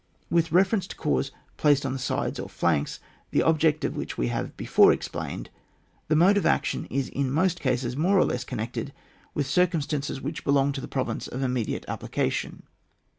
With reference to corps placed on the sides or flanks, the object of which we have before explained, the mode of action is in most cases more or less connected with circumstances which belong to the province of immediate application.